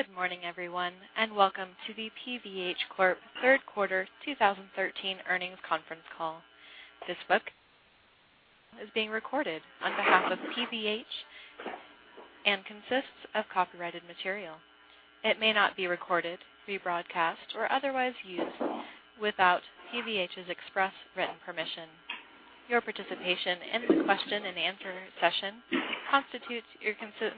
Good morning, everyone, and welcome to the PVH Corp Third Quarter 2013 earnings conference call. This broadcast is being recorded on behalf of PVH and consists of copyrighted material. It may not be recorded, rebroadcast, or otherwise used without PVH's express written permission. Your participation in the question and answer session constitutes your consent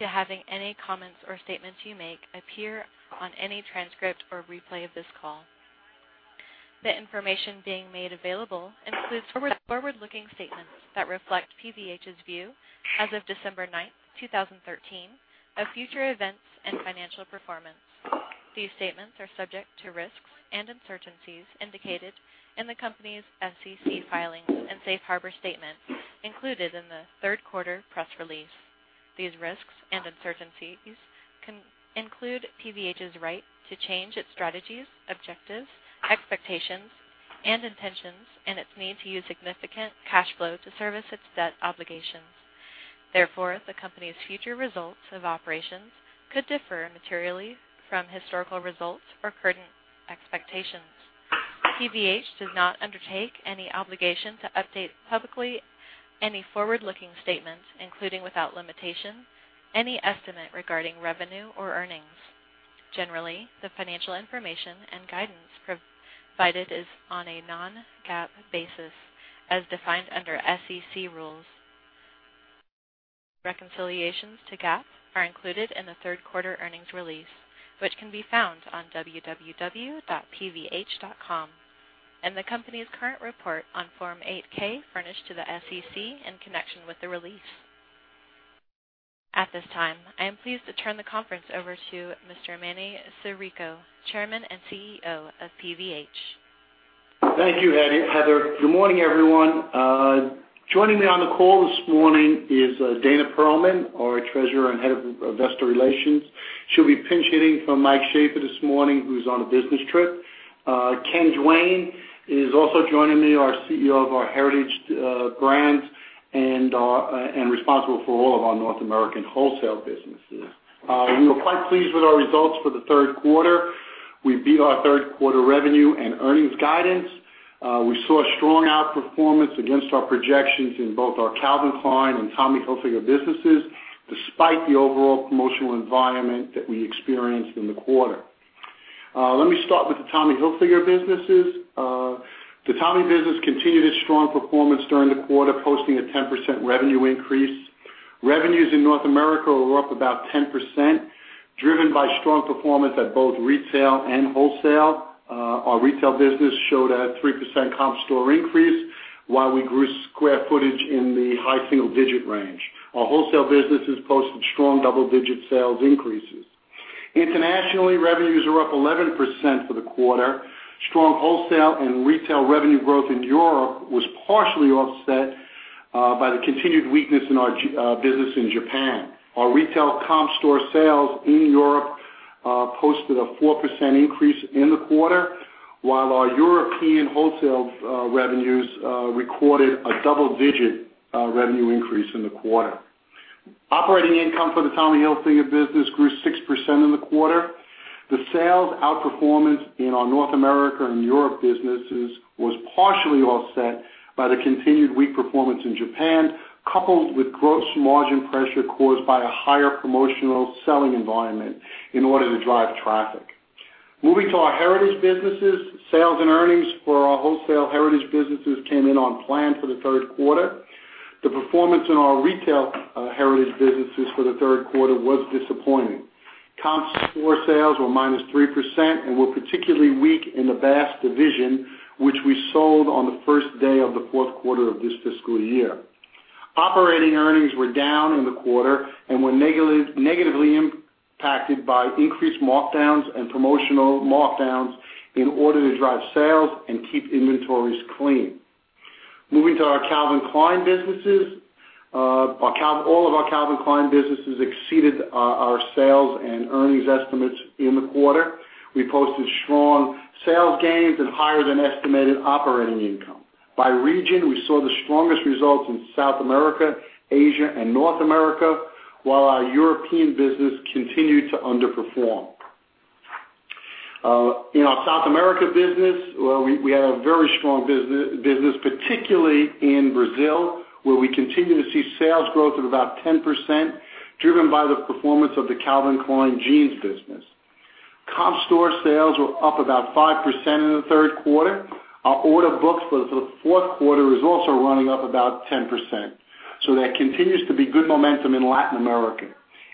to having any comments or statements you make appear on any transcript or replay of this call. The information being made available includes forward-looking statements that reflect PVH's view as of December ninth, 2013, of future events and financial performance. These statements are subject to risks and uncertainties indicated in the company's SEC filings and safe harbor statement included in the third quarter press release. These risks and uncertainties can include PVH's right to change its strategies, objectives, expectations, and intentions, and its need to use significant cash flow to service its debt obligations. The company's future results of operations could differ materially from historical results or current expectations. PVH does not undertake any obligation to update publicly any forward-looking statements, including, without limitation, any estimate regarding revenue or earnings. Generally, the financial information and guidance provided is on a non-GAAP basis, as defined under SEC rules. Reconciliations to GAAP are included in the third quarter earnings release, which can be found on www.pvh.com and the company's current report on Form 8-K furnished to the SEC in connection with the release. At this time, I am pleased to turn the conference over to Mr. Emanuel Chirico, Chairman and CEO of PVH. Thank you, Heather. Good morning, everyone. Joining me on the call this morning is Dana Perlman, our Treasurer and Head of Investor Relations. She'll be pinch-hitting for Mike Shaffer this morning, who's on a business trip. Ken Duane is also joining me, our CEO of our Heritage Brands and responsible for all of our North American wholesale businesses. We were quite pleased with our results for the third quarter. We beat our third quarter revenue and earnings guidance. We saw strong outperformance against our projections in both our Calvin Klein and Tommy Hilfiger businesses, despite the overall promotional environment that we experienced in the quarter. Let me start with the Tommy Hilfiger businesses. The Tommy business continued its strong performance during the quarter, posting a 10% revenue increase. Revenues in North America were up about 10%, driven by strong performance at both retail and wholesale. Our retail business showed a 3% comp store increase, while we grew square footage in the high single-digit range. Our wholesale businesses posted strong double-digit sales increases. Internationally, revenues are up 11% for the quarter. Strong wholesale and retail revenue growth in Europe was partially offset by the continued weakness in our business in Japan. Our retail comp store sales in Europe posted a 4% increase in the quarter, while our European wholesale revenues recorded a double-digit revenue increase in the quarter. Operating income for the Tommy Hilfiger business grew 6% in the quarter. The sales outperformance in our North America and Europe businesses was partially offset by the continued weak performance in Japan, coupled with gross margin pressure caused by a higher promotional selling environment in order to drive traffic. Moving to our Heritage businesses, sales and earnings for our wholesale Heritage businesses came in on plan for the third quarter. The performance in our retail Heritage businesses for the third quarter was disappointing. Comp store sales were -3% and were particularly weak in the G.H. Bass & Co. division, which we sold on the first day of the fourth quarter of this fiscal year. Operating earnings were down in the quarter and were negatively impacted by increased markdowns and promotional markdowns in order to drive sales and keep inventories clean. Moving to our Calvin Klein businesses. All of our Calvin Klein businesses exceeded our sales and earnings estimates in the quarter. We posted strong sales gains and higher than estimated operating income. By region, we saw the strongest results in South America, Asia, and North America, while our European business continued to underperform. In our South America business, we had a very strong business, particularly in Brazil, where we continue to see sales growth of about 10%, driven by the performance of the Calvin Klein Jeans business. Comp store sales were up about 5% in the third quarter. Our order books for the fourth quarter is also running up about 10%. There continues to be good momentum in Latin America.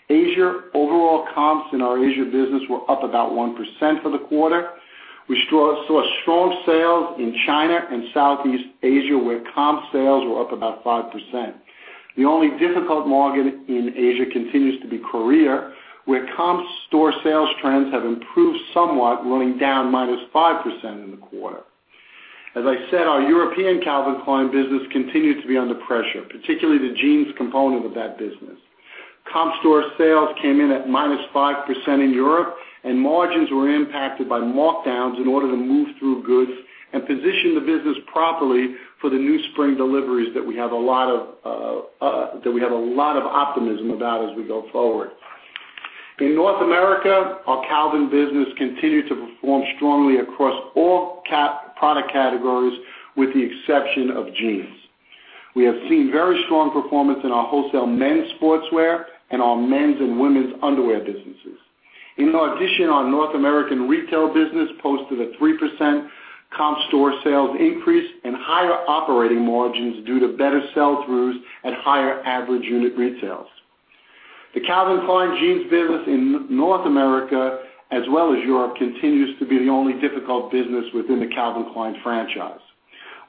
Asia, overall comps in our Asia business were up about 1% for the quarter. We saw strong sales in China and Southeast Asia, where comp sales were up about 5%. The only difficult market in Asia continues to be Korea, where comp store sales trends have improved somewhat, running down -5% in the quarter. As I said, our Calvin Klein Europe business continued to be under pressure, particularly the Calvin Klein Jeans component of that business. Comp store sales came in at -5% in Europe, and margins were impacted by markdowns in order to move through goods and position the business properly for the new spring deliveries that we have a lot of optimism about as we go forward. In North America, our Calvin Klein business continued to perform strongly across all product categories, with the exception of Calvin Klein Jeans. We have seen very strong performance in our wholesale men's sportswear and our men's and women's underwear businesses. In addition, our North American retail business posted a 3% comp store sales increase and higher operating margins due to better sell-throughs and higher average unit retails. The Calvin Klein Jeans business in North America as well as Calvin Klein Europe continues to be the only difficult business within the Calvin Klein franchise.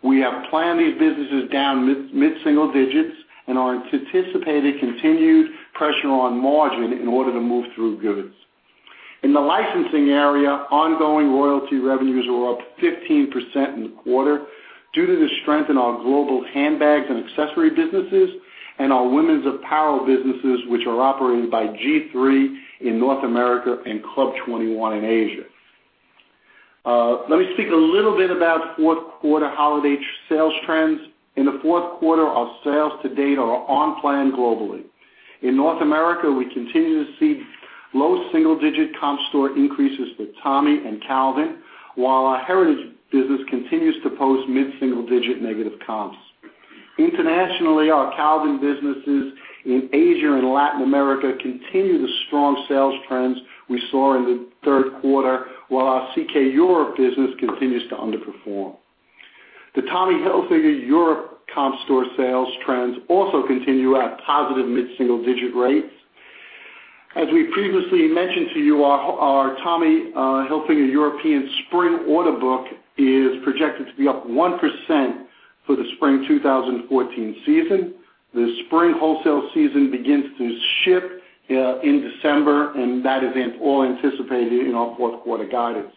We have planned these businesses down mid-single digits and are anticipating continued pressure on margin in order to move through goods. In the licensing area, ongoing royalty revenues were up 15% in the quarter due to the strength in our global handbags and accessory businesses and our women's apparel businesses, which are operated by G-III in North America and Club 21 in Asia. Let me speak a little bit about fourth quarter holiday sales trends. In the fourth quarter, our sales to date are on plan globally. In North America, we continue to see low single-digit comp store increases for Tommy and Calvin, while our Heritage business continues to post mid-single digit negative comps. Internationally, our Calvin Klein businesses in Asia and Latin America continue the strong sales trends we saw in the third quarter, while our Calvin Klein Europe business continues to underperform. The Tommy Hilfiger Europe comp store sales trends also continue at positive mid-single digit rates. As we previously mentioned to you, our Tommy Hilfiger European spring order book is projected to be up 1% for the spring 2014 season. The spring wholesale season begins to ship in December, and that is all anticipated in our fourth quarter guidance.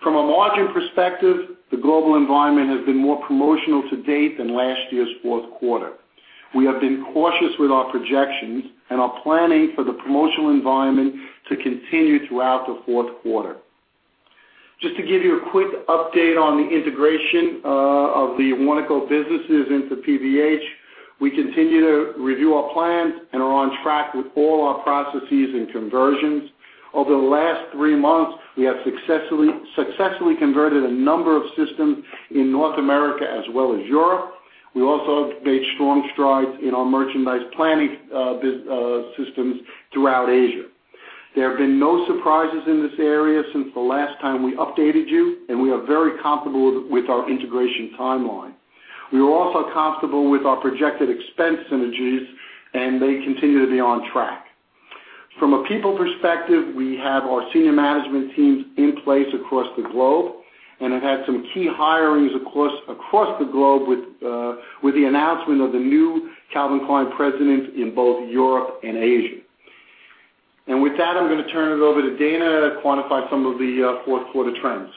From a margin perspective, the global environment has been more promotional to date than last year's fourth quarter. We have been cautious with our projections and are planning for the promotional environment to continue throughout the fourth quarter. Just to give you a quick update on the integration of the Warnaco businesses into PVH, we continue to review our plans and are on track with all our processes and conversions. Over the last three months, we have successfully converted a number of systems in North America as well as Europe. We also have made strong strides in our merchandise planning systems throughout Asia. There have been no surprises in this area since the last time we updated you, and we are very comfortable with our integration timeline. We are also comfortable with our projected expense synergies, and they continue to be on track. From a people perspective, we have our senior management teams in place across the globe and have had some key hirings across the globe with the announcement of the new Calvin Klein president in both Europe and Asia. With that, I'm going to turn it over to Dana to quantify some of the fourth quarter trends.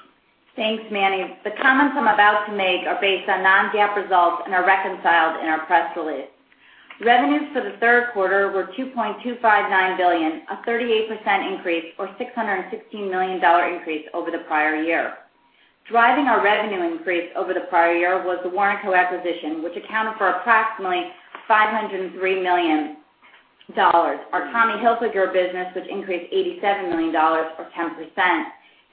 Thanks, Manny. The comments I'm about to make are based on non-GAAP results and are reconciled in our press release. Revenues for the third quarter were $2.259 billion, a 38% increase or $616 million increase over the prior year. Driving our revenue increase over the prior year was the Warnaco acquisition, which accounted for approximately $503 million. Our Tommy Hilfiger business, which increased $87 million or 10%,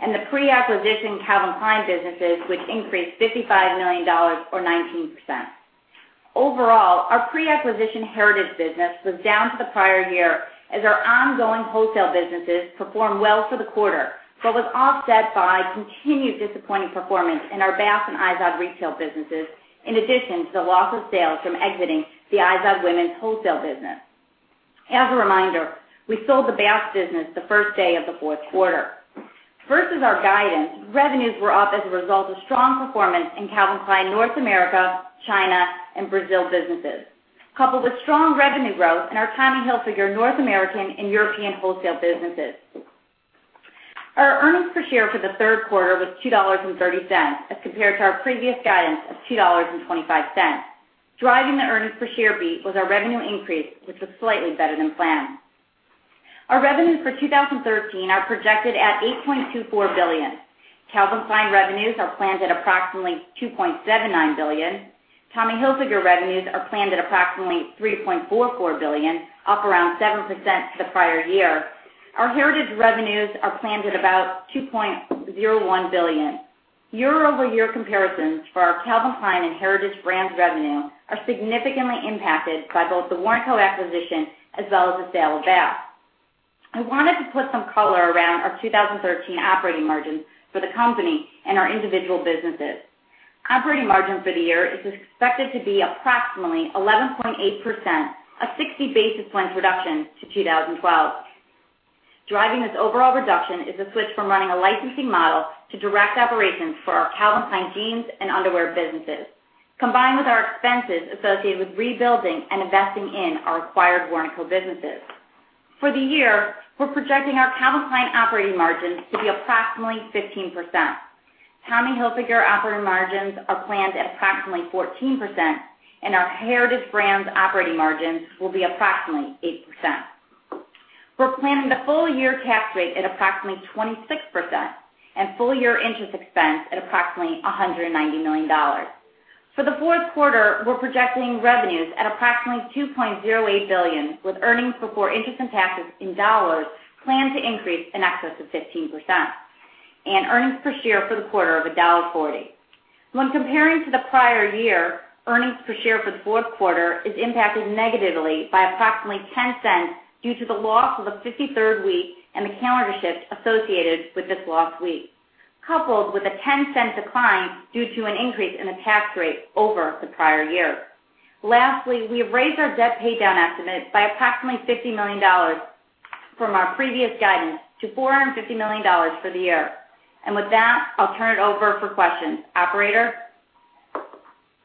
and the pre-acquisition Calvin Klein businesses, which increased $55 million or 19%. Overall, our pre-acquisition Heritage business was down to the prior year as our ongoing wholesale businesses performed well for the quarter but was offset by continued disappointing performance in our Bass and Izod retail businesses, in addition to the loss of sales from exiting the Izod women's wholesale business. As a reminder, we sold the Bass business the first day of the fourth quarter. Versus our guidance, revenues were up as a result of strong performance in Calvin Klein North America, China, and Brazil businesses, coupled with strong revenue growth in our Tommy Hilfiger North American and European wholesale businesses. Our earnings per share for the third quarter was $2.30, as compared to our previous guidance of $2.25. Driving the earnings per share beat was our revenue increase, which was slightly better than planned. Our revenues for 2013 are projected at $8.24 billion. Calvin Klein revenues are planned at approximately $2.79 billion. Tommy Hilfiger revenues are planned at approximately $3.44 billion, up around 7% to the prior year. Our Heritage revenues are planned at about $2.01 billion. Year-over-year comparisons for our Calvin Klein and Heritage brands revenue are significantly impacted by both the Warnaco acquisition as well as the sale of Bass. I wanted to put some color around our 2013 operating margins for the company and our individual businesses. Operating margin for the year is expected to be approximately 11.8%, a 60 basis point reduction to 2012. Driving this overall reduction is a switch from running a licensing model to direct operations for our Calvin Klein Jeans and underwear businesses, combined with our expenses associated with rebuilding and investing in our acquired Warnaco businesses. For the year, we're projecting our Calvin Klein operating margins to be approximately 15%. Tommy Hilfiger operating margins are planned at approximately 14%, and our Heritage Brands operating margins will be approximately 8%. We're planning the full-year tax rate at approximately 26% and full-year interest expense at approximately $190 million. For the fourth quarter, we're projecting revenues at approximately $2.08 billion, with earnings before interest and taxes in dollars planned to increase in excess of 15%, and earnings per share for the quarter of $1.40. When comparing to the prior year, earnings per share for the fourth quarter is impacted negatively by approximately $0.10 due to the loss of a 53rd week and the calendar shift associated with this lost week, coupled with a $0.10 decline due to an increase in the tax rate over the prior year. Lastly, we have raised our debt paydown estimate by approximately $50 million from our previous guidance to $450 million for the year. With that, I'll turn it over for questions. Operator?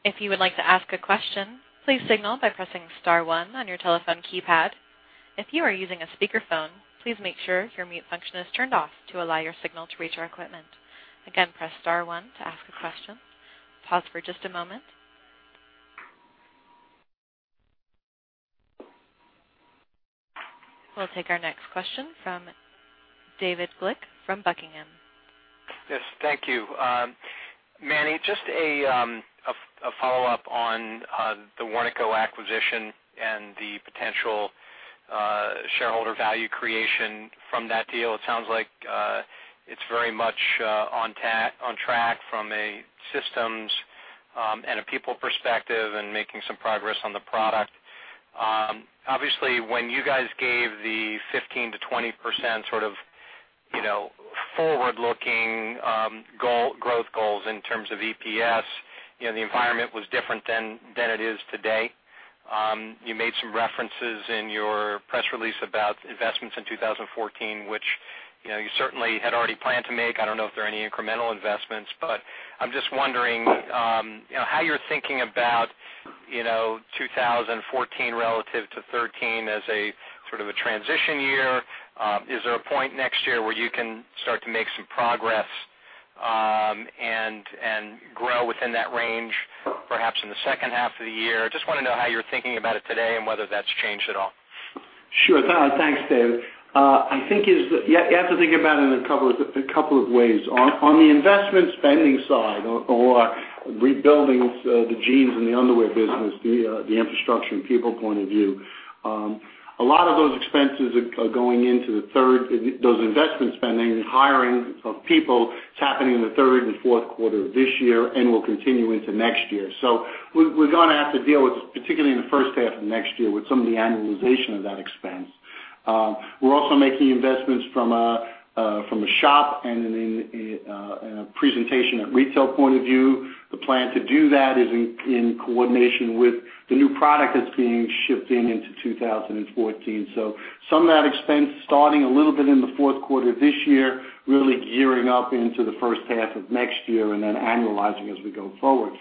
If you would like to ask a question, please signal by pressing *1 on your telephone keypad. If you are using a speakerphone, please make sure your mute function is turned off to allow your signal to reach our equipment. Again, press *1 to ask a question. Pause for just a moment. We'll take our next question from David Glick from Buckingham. Yes. Thank you. Manny, just a follow-up on the Warnaco acquisition and the potential shareholder value creation from that deal. It sounds like it's very much on track from a systems and a people perspective and making some progress on the product. Obviously, when you guys gave the 15%-20% sort of forward-looking growth goals in terms of EPS, the environment was different than it is today. You made some references in your press release about investments in 2014, which you certainly had already planned to make. I don't know if there are any incremental investments, but I'm just wondering how you're thinking about 2014 relative to 2013 as a sort of a transition year. Is there a point next year where you can start to make some progress and grow within that range, perhaps in the second half of the year? I just want to know how you're thinking about it today and whether that's changed at all. Sure. Thanks, David. I think you have to think about it in a couple of ways. On the investment spending side, or rebuilding the jeans and the underwear business, the infrastructure and people point of view. A lot of those expenses are going into those investment spendings, hiring of people is happening in the third and fourth quarter of this year and will continue into next year. We're going to have to deal with, particularly in the first half of next year, with some of the annualization of that expense. We're also making investments from a shop and a presentation at retail point of view. The plan to do that is in coordination with the new product that's being shipped in into 2014. Some of that expense starting a little bit in the fourth quarter this year, really gearing up into the first half of next year, then annualizing as we go forward.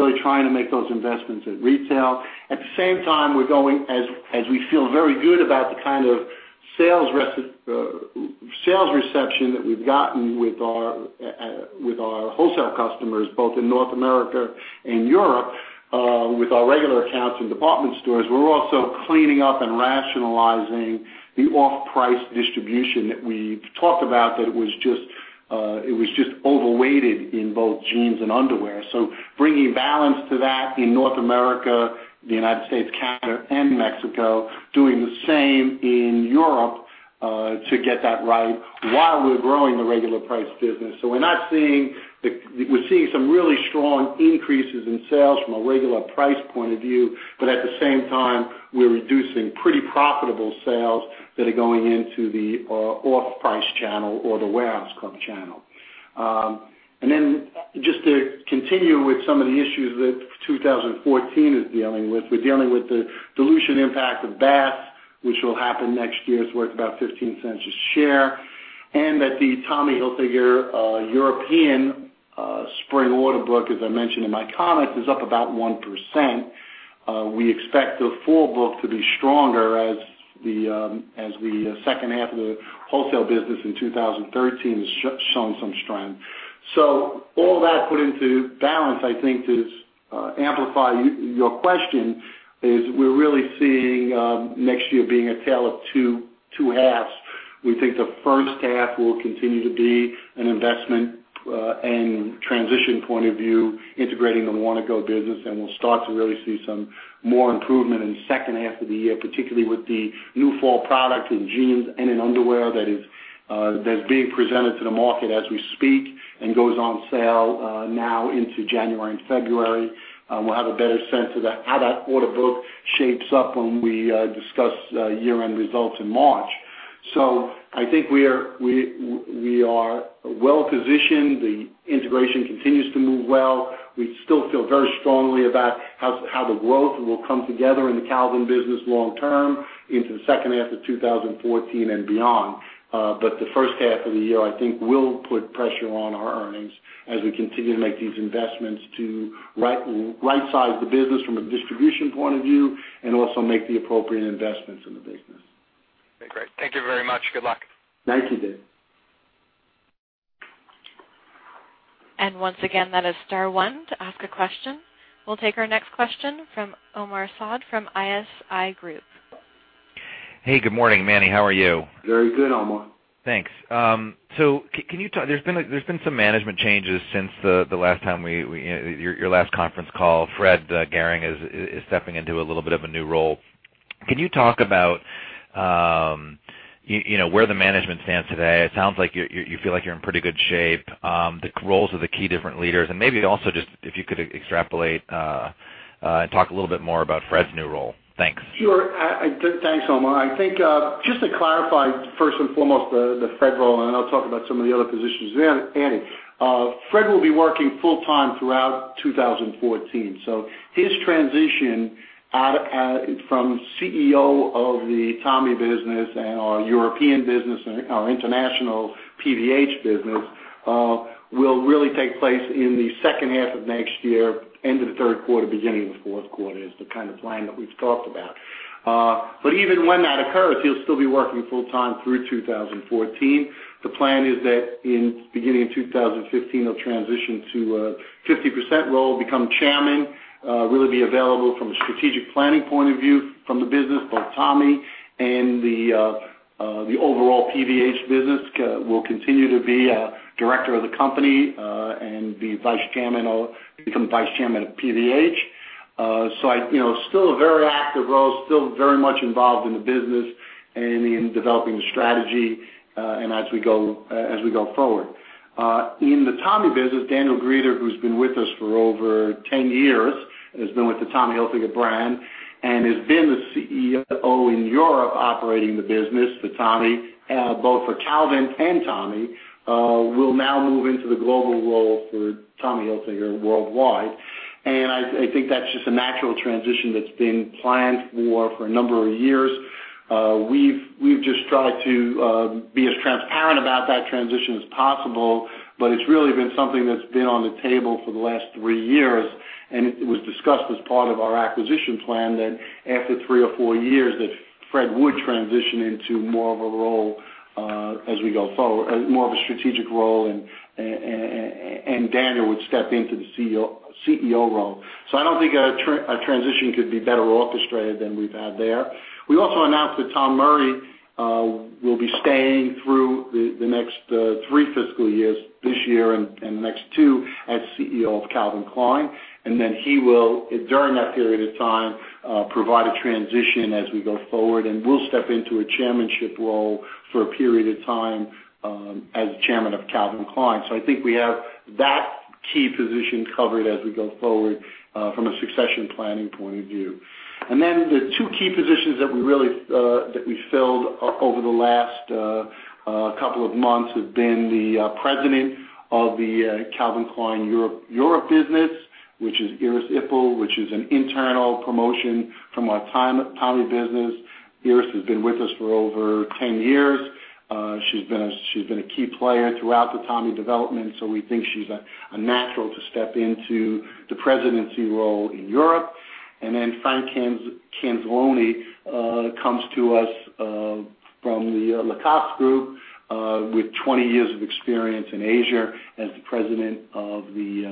Really trying to make those investments at retail. At the same time, as we feel very good about the kind of sales reception that we've gotten with our wholesale customers, both in North America and Europe, with our regular accounts and department stores. We're also cleaning up and rationalizing the off-price distribution that we talked about, that it was just overweighted in both jeans and underwear. Bringing balance to that in North America, the United States, Canada, and Mexico, doing the same in Europe to get that right while we're growing the regular price business. We're seeing some really strong increases in sales from a regular price point of view, at the same time, we're reducing pretty profitable sales that are going into the off-price channel or the warehouse club channel. Just to continue with some of the issues that 2014 is dealing with. We're dealing with the dilution impact of Bass, which will happen next year. It's worth about $0.15 a share. That the Tommy Hilfiger European spring order book, as I mentioned in my comments, is up about 1%. We expect the full book to be stronger as the second half of the wholesale business in 2013 has shown some strength. All that put into balance, I think to amplify your question, is we're really seeing next year being a tale of two halves. We think the first half will continue to be an investment and transition point of view, integrating the Warnaco business, and we'll start to really see some more improvement in the second half of the year, particularly with the new fall product in jeans and in underwear that is being presented to the market as we speak and goes on sale now into January and February. We'll have a better sense of how that order book shapes up when we discuss year-end results in March. I think we are well positioned. The integration continues to move well. We still feel very strongly about how the growth will come together in the Calvin business long term into the second half of 2014 and beyond. The first half of the year, I think will put pressure on our earnings as we continue to make these investments to rightsize the business from a distribution point of view and also make the appropriate investments in the business. Okay, great. Thank you very much. Good luck. Thank you, David. once again, that is star one to ask a question. We will take our next question from Omar Saad from Evercore ISI. Hey, good morning, Manny. How are you? Very good, Omar. Thanks. There's been some management changes since your last conference call. Fred Gehring is stepping into a little bit of a new role. Can you talk about where the management stands today? It sounds like you feel like you're in pretty good shape. The roles of the key different leaders, and maybe also just if you could extrapolate and talk a little bit more about Fred's new role. Thanks. Thanks, Omar. I think just to clarify, first and foremost, the Fred role, and then I'll talk about some of the other positions. Fred will be working full time throughout 2014. His transition from CEO of the Tommy business and our European business and our international PVH business will really take place in the second half of next year, end of the third quarter, beginning of fourth quarter, is the kind of plan that we've talked about. Even when that occurs, he'll still be working full time through 2014. The plan is that in the beginning of 2015, he'll transition to a 50% role, become chairman, really be available from a strategic planning point of view from the business, both Tommy and the overall PVH business. He will continue to be a director of the company, and become Vice Chairman of PVH. Still a very active role, still very much involved in the business and in developing the strategy as we go forward. In the Tommy business, Daniel Grieder, who's been with us for over 10 years, has been with the Tommy Hilfiger brand and has been the CEO in Europe operating the business for Tommy, both for Calvin and Tommy, will now move into the global role for Tommy Hilfiger worldwide. I think that's just a natural transition that's been planned for a number of years. We've just tried to be as transparent about that transition as possible, but it's really been something that's been on the table for the last three years. It was discussed as part of our acquisition plan that after three or four years, that Fred would transition into more of a strategic role, and Daniel would step into the CEO role. I don't think a transition could be better orchestrated than we've had there. We also announced that Tom Murry will be staying through the next three fiscal years, this year and the next two, as CEO of Calvin Klein. Then he will, during that period of time, provide a transition as we go forward, and will step into a chairmanship role for a period of time as chairman of Calvin Klein. I think we have that key position covered as we go forward from a succession planning point of view. The two key positions that we filled over the last couple of months have been the president of the Calvin Klein Europe business, which is Iris Epple, which is an internal promotion from our Tommy business. Iris has been with us for over 10 years. She's been a key player throughout the Tommy development, we think she's a natural to step into the presidency role in Europe. Frank Cancelloni comes to us from the Lacoste Group with 20 years of experience in Asia as the president of the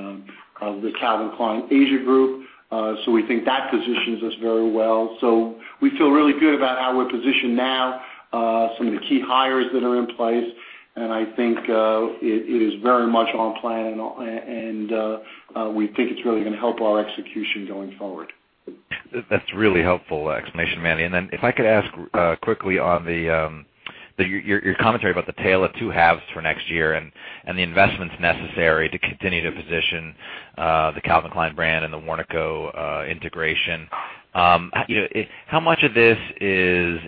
Calvin Klein Asia Group. We think that positions us very well. We feel really good about how we're positioned now. Some of the key hires that are in place, and I think it is very much on plan, and we think it's really going to help our execution going forward. That's a really helpful explanation, Manny. If I could ask quickly on your commentary about the tale of two halves for next year and the investments necessary to continue to position the Calvin Klein brand and the Warnaco integration. How much of this is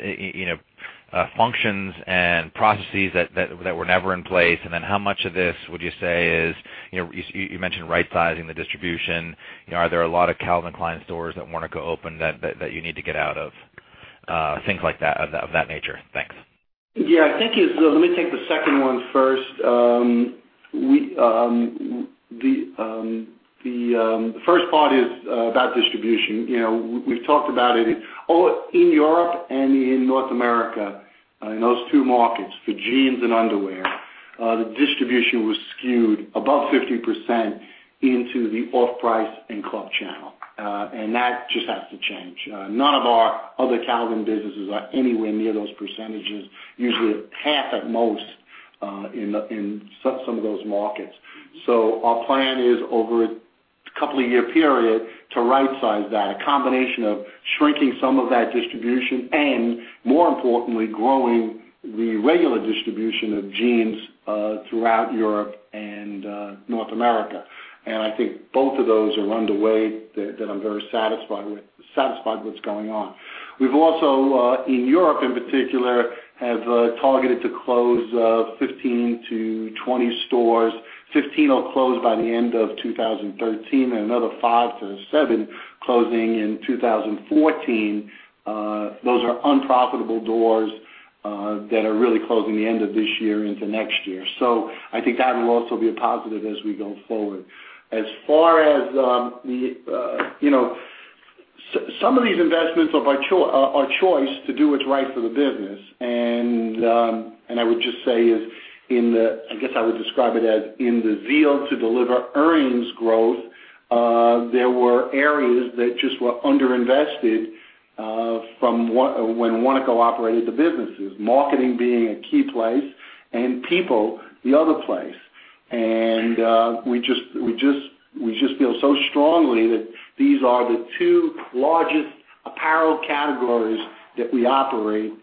functions and processes that were never in place? How much of this would you say is, you mentioned right-sizing the distribution. Are there a lot of Calvin Klein stores that Warnaco opened that you need to get out of? Things like that, of that nature. Thanks. Yeah. Let me take the second one first. The first part is about distribution. We've talked about it. In Europe and in North America, in those two markets for jeans and underwear, the distribution was skewed above 50% into the off-price and club channel. That just has to change. None of our other Calvin businesses are anywhere near those percentages. Usually half at most in some of those markets. Our plan is over a couple of year period to right-size that. A combination of shrinking some of that distribution and more importantly, growing the regular distribution of jeans throughout Europe and North America. I think both of those are underway, that I'm very satisfied with what's going on. We've also, in Europe in particular, have targeted to close 15-20 stores. 15 will close by the end of 2013, and another five to seven closing in 2014. Those are unprofitable doors that are really closing the end of this year into next year. I think that will also be a positive as we go forward. Some of these investments are by our choice to do what's right for the business. I would just say is, I guess I would describe it as in the zeal to deliver earnings growth, there were areas that just were under-invested from when Warnaco operated the businesses. Marketing being a key place and people the other place. We just feel so strongly that these are the two largest apparel categories that we operate,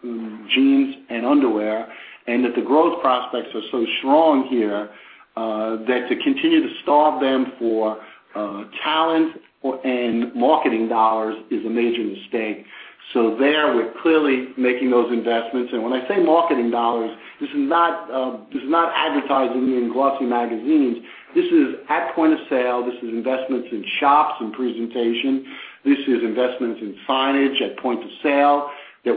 jeans and underwear, and that the growth prospects are so strong here, that to continue to starve them for talent or, and marketing dollars is a major mistake. There, we're clearly making those investments. When I say marketing dollars, this is not advertising in glossy magazines. This is at point of sale. This is investments in shops and presentation. This is investments in signage at point of sale, that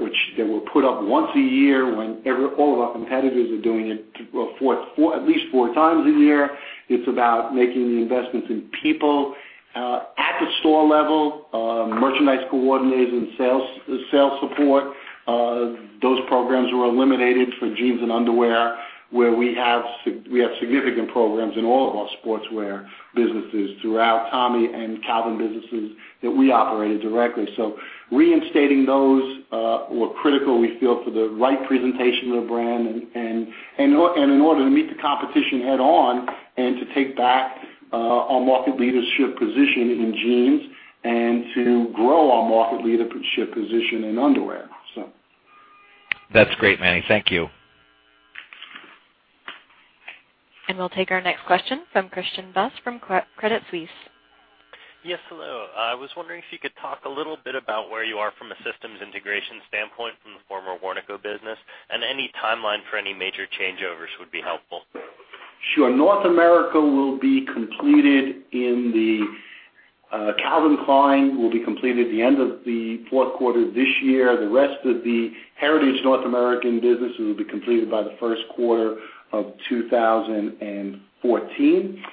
were put up once a year when every, all of our competitors are doing it at least four times a year. It's about making the investments in people, at the store level, merchandise coordinators and sales support. Those programs were eliminated for jeans and underwear, where we have significant programs in all of our sportswear businesses throughout Tommy and Calvin businesses that we operated directly. Reinstating those, were critical, we feel, for the right presentation of the brand and in order to meet the competition head on and to take back our market leadership position in jeans and to grow our market leadership position in underwear. That's great, Manny. Thank you. We'll take our next question from Christian Buss from Credit Suisse. Yes. Hello. I was wondering if you could talk a little bit about where you are from a systems integration standpoint from the former Warnaco business, any timeline for any major changeovers would be helpful. Sure. North America will be completed in the Calvin Klein at the end of the fourth quarter this year. The rest of the Heritage North American business will be completed by the first quarter of 2014.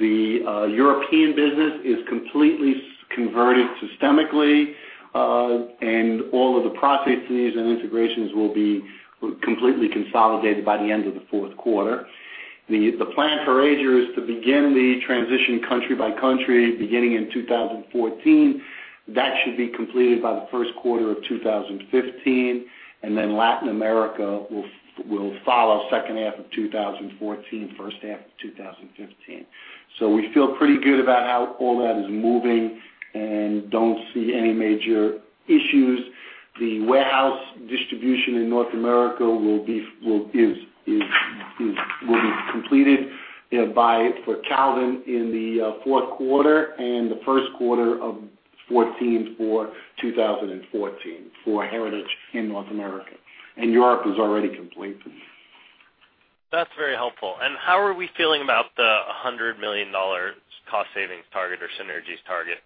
The European business is completely converted systemically. All of the processes and integrations will be completely consolidated by the end of the fourth quarter. The plan for Asia is to begin the transition country by country, beginning in 2014. That should be completed by the first quarter of 2015. Then Latin America will follow second half of 2014, first half of 2015. We feel pretty good about how all that is moving and don't see any major issues. The warehouse distribution in North America will be completed for Calvin in the fourth quarter and the first quarter of 2014 for 2014 for Heritage in North America. Europe is already complete. That's very helpful. How are we feeling about the $100 million cost savings target or synergies target?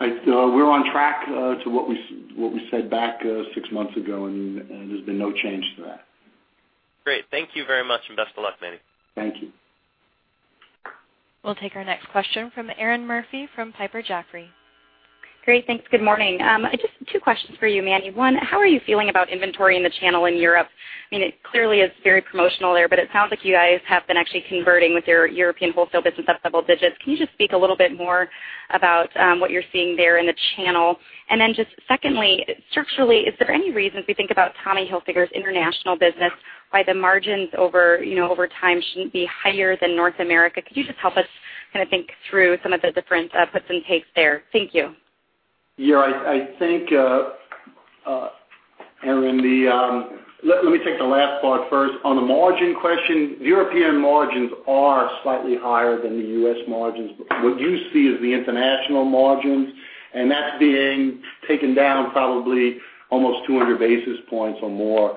We're on track to what we said back six months ago, and there's been no change to that. Great. Thank you very much, and best of luck, Manny. Thank you. We'll take our next question from Erinn Murphy from Piper Jaffray. Great. Thanks. Good morning. Just two questions for you, Manny. One, how are you feeling about inventory in the channel in Europe? It clearly is very promotional there, but it sounds like you guys have been actually converting with your European wholesale business at double digits. Can you just speak a little bit more about what you're seeing there in the channel? Then just secondly, structurally, is there any reason, as we think about Tommy Hilfiger's international business, why the margins over time shouldn't be higher than North America? Could you just help us think through some of the different puts and takes there? Thank you. Yeah, I think, Erinn, let me take the last part first. On the margin question, European margins are slightly higher than the U.S. margins. What you see is the international margins, and that's being taken down probably almost 200 basis points or more,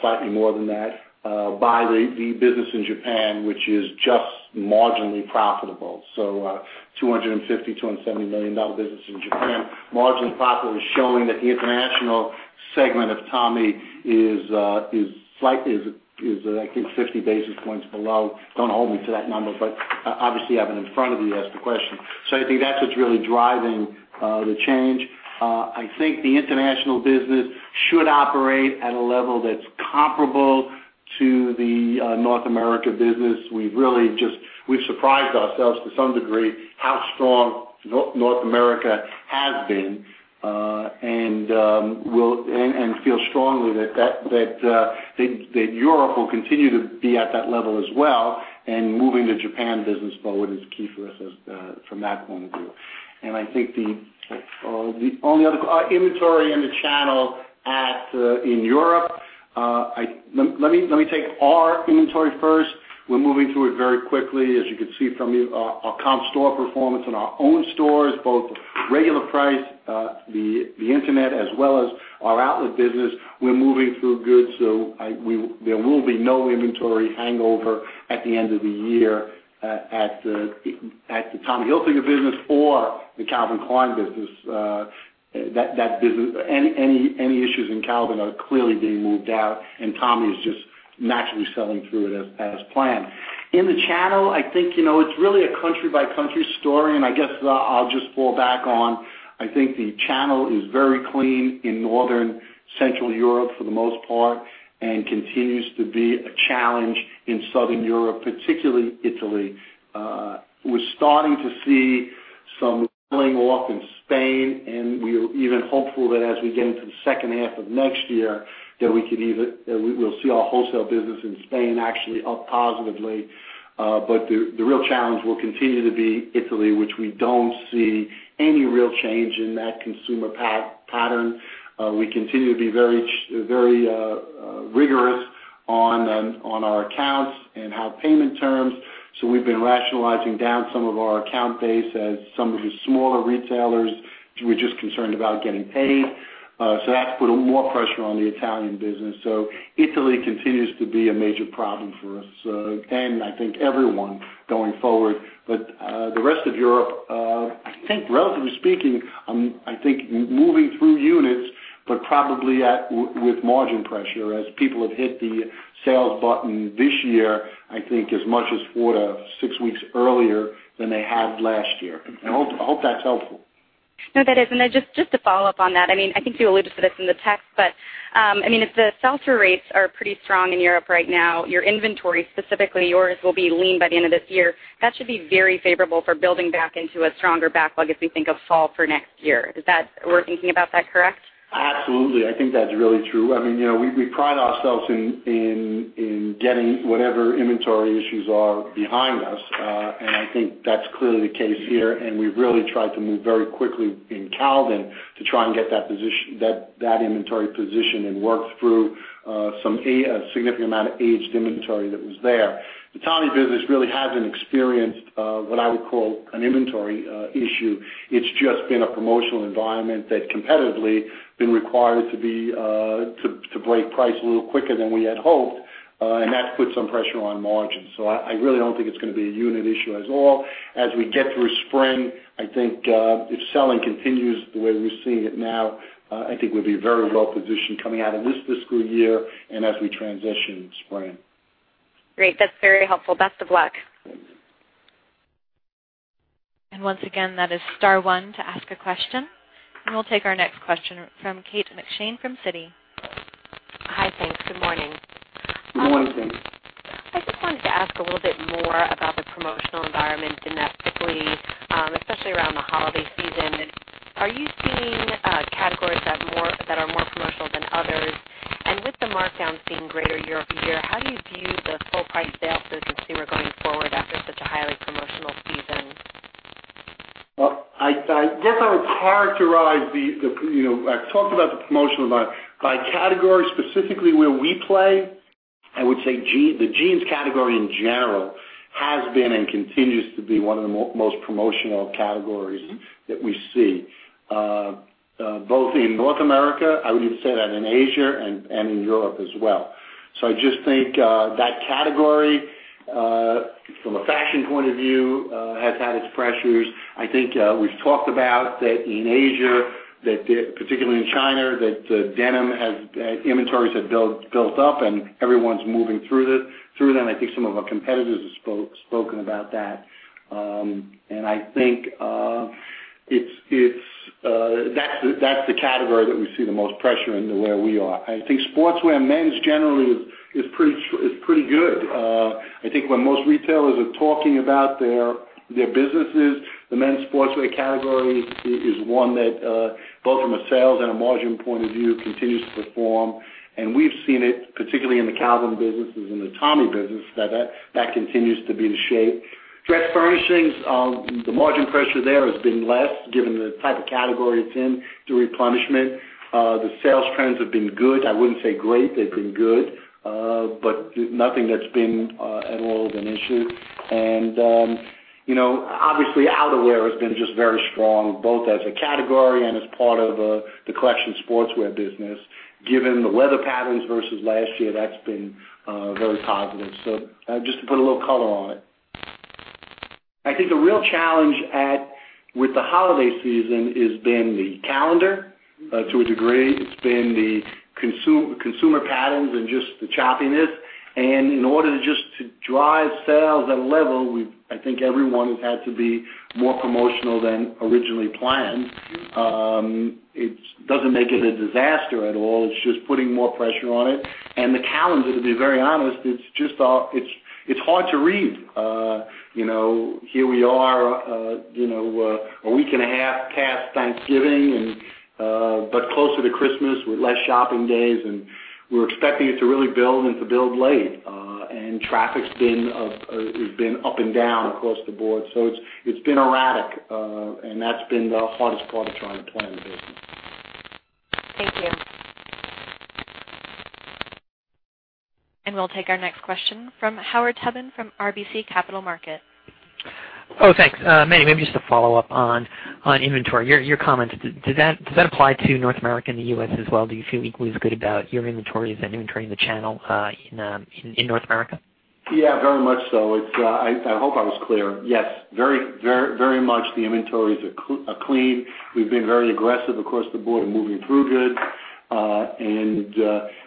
slightly more than that, by the business in Japan, which is just marginally profitable. $250 million, $270 million business in Japan, marginally profitable, is showing that the international segment of Tommy is I think 50 basis points below. Don't hold me to that number, but obviously I have it in front of me to answer the question. I think that's what's really driving the change. I think the international business should operate at a level that's comparable to the North America business. We've surprised ourselves to some degree how strong North America has been, feel strongly that Europe will continue to be at that level as well, moving the Japan business forward is key for us as from that point of view. I think the only other Inventory in the channel in Europe. Let me take our inventory first. We're moving through it very quickly. As you can see from our comp store performance in our own stores, both regular price, the internet, as well as our outlet business. We're moving through goods, so there will be no inventory hangover at the end of the year at the Tommy Hilfiger business or the Calvin Klein business. Any issues in Calvin are clearly being moved out, and Tommy is just naturally selling through it as planned. In the channel, I think it's really a country-by-country story, and I guess I'll just fall back on I think the channel is very clean in Northern Central Europe for the most part, and continues to be a challenge in Southern Europe, particularly Italy. We're starting to see some rolling off in Spain, and we're even hopeful that as we get into the second half of next year, that we'll see our wholesale business in Spain actually up positively. The real challenge will continue to be Italy, which we don't see any real change in that consumer pattern. We continue to be very rigorous on our accounts and our payment terms. We've been rationalizing down some of our account base as some of the smaller retailers, we're just concerned about getting paid. That's put more pressure on the Italian business. Italy continues to be a major problem for us. I think everyone going forward. The rest of Europe, I think relatively speaking, I think moving through units, but probably with margin pressure as people have hit the sales button this year, I think as much as four to six weeks earlier than they had last year. I hope that's helpful. No, that is. Then just to follow up on that, I think you alluded to this in the text, but if the sell-through rates are pretty strong in Europe right now, your inventory, specifically yours, will be lean by the end of this year. That should be very favorable for building back into a stronger backlog as we think of fall for next year. Are we thinking about that correct? Absolutely. I think that's really true. We pride ourselves in getting whatever inventory issues are behind us, and I think that's clearly the case here, and we've really tried to move very quickly in Calvin to try and get that inventory position and work through some significant amount of aged inventory that was there. The Tommy business really hasn't experienced what I would call an inventory issue. It's just been a promotional environment that competitively been required to break price a little quicker than we had hoped. That's put some pressure on margins. I really don't think it's going to be a unit issue at all. As we get through spring, I think, if selling continues the way we're seeing it now, I think we'll be very well positioned coming out of this fiscal year and as we transition spring. Great. That's very helpful. Best of luck. Once again, that is star one to ask a question. We'll take our next question from Kate McShane from Citi. Hi, thanks. Good morning. Good morning. I just wanted to ask a little bit more about the promotional environment domestically, especially around the holiday season. Are you seeing categories that are more promotional than others? With the markdowns being greater year-over-year, how do you view the full price sales this consumer going forward after such a highly promotional season? Well, I guess I would characterize the I talked about the promotional by category, specifically where we play. I would say the jeans category in general has been and continues to be one of the most promotional categories that we see. Both in North America, I would even say that in Asia and in Europe as well. I just think that category, from a fashion point of view, has had its pressures. I think we've talked about that in Asia, particularly in China, that denim inventories have built up, and everyone's moving through them. I think some of our competitors have spoken about that. I think that's the category that we see the most pressure in the way we are. I think sportswear in men's generally is pretty good. I think when most retailers are talking about their businesses, the men's sportswear category is one that, both from a sales and a margin point of view, continues to perform. We've seen it particularly in the Calvin business, as in the Tommy business, that continues to be in shape. Dress furnishings, the margin pressure there has been less given the type of category it's in, the replenishment. The sales trends have been good. I wouldn't say great. They've been good. Nothing that's been at all an issue. Obviously outerwear has been just very strong, both as a category and as part of the collection sportswear business. Given the weather patterns versus last year, that's been very positive. Just to put a little color on it. I think the real challenge with the holiday season is been the calendar, to a degree. It's been the consumer patterns and just the choppiness. In order to just to drive sales at a level, I think everyone has had to be more promotional than originally planned. It doesn't make it a disaster at all. It's just putting more pressure on it. The calendar, to be very honest, it's hard to read. Here we are, a week and a half past Thanksgiving, but closer to Christmas with less shopping days, and we're expecting it to really build and to build late. Traffic's been up and down across the board. It's been erratic. That's been the hardest part of trying to plan the business. Thank you. We'll take our next question from Howard Tubin from RBC Capital Markets. Thanks. Manny, maybe just to follow up on inventory. Your comments, does that apply to North America and the U.S. as well? Do you feel equally as good about your inventories and inventory in the channel in North America? Yeah, very much so. I hope I was clear. Yes, very much. The inventories are clean. We've been very aggressive across the board in moving through goods.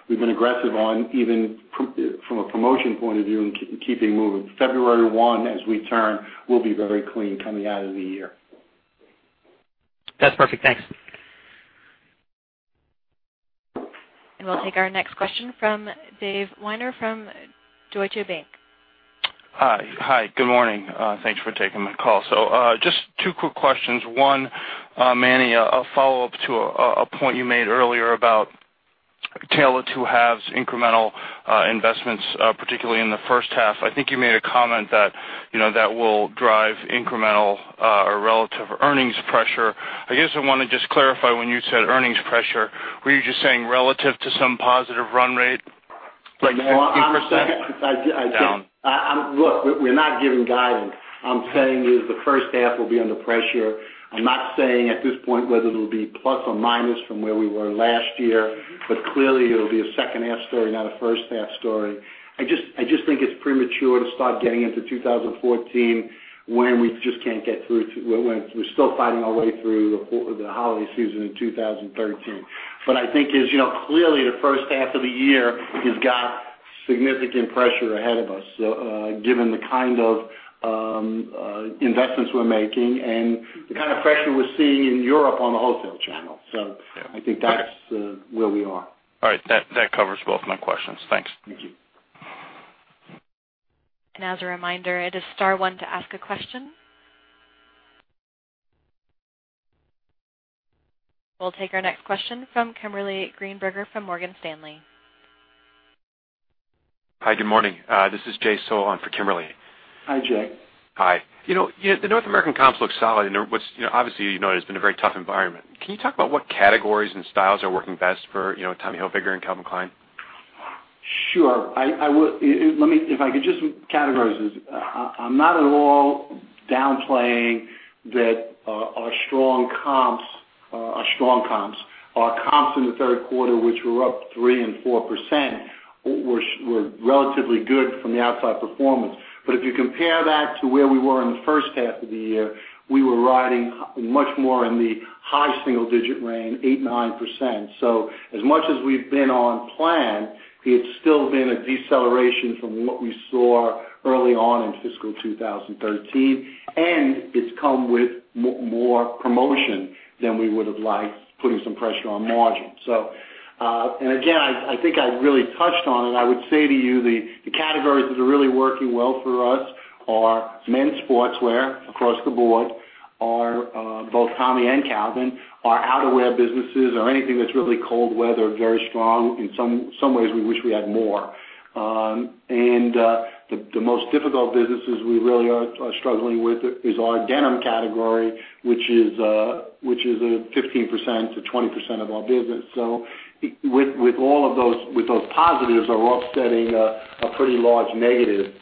We've been aggressive on even from a promotion point of view and keeping moving. February 1, as we turn, we'll be very clean coming out of the year. That's perfect. Thanks. We'll take our next question from Dave Weiner from Deutsche Bank. Hi. Good morning. Thanks for taking my call. Just two quick questions. One, Manny, a follow-up to a point you made earlier about tale of two halves incremental investments, particularly in the first half. I think you made a comment that will drive incremental or relative earnings pressure. I guess I want to just clarify, when you said earnings pressure, were you just saying relative to some positive run rate, like 15% down? Look, we're not giving guidance. I'm saying is the first half will be under pressure. I'm not saying at this point whether it'll be plus or minus from where we were last year, but clearly, it'll be a second half story, not a first half story. I just think it's premature to start getting into 2014 when we're still fighting our way through the holiday season in 2013. I think as you know, clearly the first half of the year has got significant pressure ahead of us, given the kind of investments we're making and the kind of pressure we're seeing in Europe on the wholesale channel. I think that's where we are. All right. That covers both my questions. Thanks. Thank you. As a reminder, it is star one to ask a question. We'll take our next question from Kimberly Greenberger from Morgan Stanley. Hi. Good morning. This is Jay Sole on for Kimberly. Hi, Jay. Hi. The North American comps look solid and obviously, you know it has been a very tough environment. Can you talk about what categories and styles are working best for Tommy Hilfiger and Calvin Klein? Sure. If I could just categorize this. I am not at all downplaying that our strong comps. Our comps in the third quarter, which were up 3% and 4%, were relatively good from the outside performance. If you compare that to where we were in the first half of the year, we were riding much more in the high single digit range, 8%, 9%. As much as we have been on plan, it is still been a deceleration from what we saw early on in fiscal 2013, and it has come with more promotion than we would have liked, putting some pressure on margin. Again, I think I really touched on it. I would say to you the categories that are really working well for us are men's sportswear across the board, are both Tommy and Calvin, our outerwear businesses, or anything that is really cold weather, very strong. In some ways, we wish we had more. The most difficult businesses we really are struggling with is our denim category, which is a 15%-20% of our business. With those positives are offsetting a pretty large negative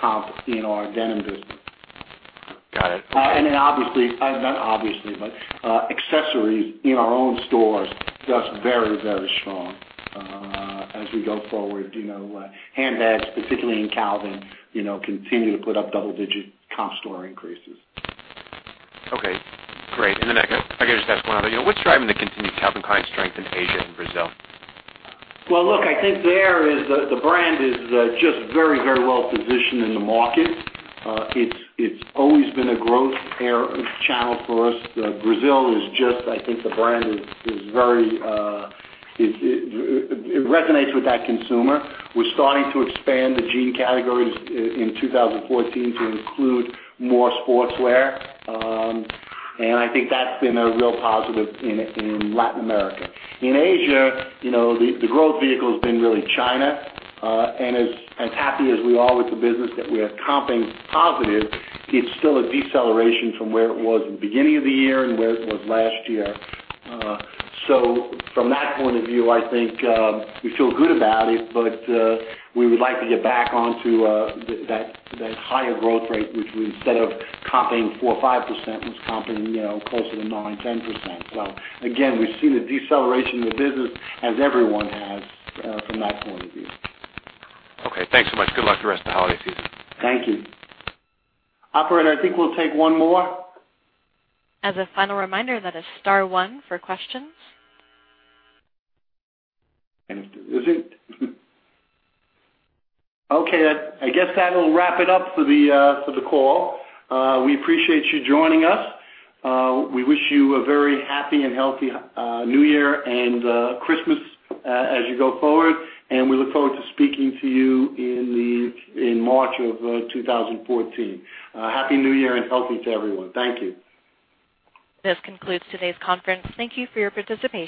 comp in our denim business. Got it. Obviously, accessories in our own stores, that's very, very strong. As we go forward, handbags, particularly in Calvin, continue to put up double-digit comp store increases. Okay. Great. I got to just ask one other, what's driving the continued Calvin Klein strength in Asia and Brazil? Well, look, I think the brand is just very, very well positioned in the market. It's always been a growth channel for us. Brazil is just I think the brand resonates with that consumer. We're starting to expand the jean categories in 2014 to include more sportswear. I think that's been a real positive in Latin America. In Asia, the growth vehicle's been really China. As happy as we are with the business that we are comping positive, it's still a deceleration from where it was in the beginning of the year and where it was last year. From that point of view, I think, we feel good about it, but we would like to get back onto that higher growth rate, which instead of comping 4% or 5%, was comping closer to 9% or 10%. Again, we've seen a deceleration in the business as everyone has from that point of view. Okay. Thanks so much. Good luck the rest of the holiday season. Thank you. Operator, I think we'll take one more. As a final reminder, that is star one for questions. Is it? Okay. I guess that'll wrap it up for the call. We appreciate you joining us. We wish you a very happy and healthy New Year and Christmas as you go forward. We look forward to speaking to you in March of 2014. Happy New Year and healthy to everyone. Thank you. This concludes today's conference. Thank you for your participation.